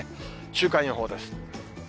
週間予報です。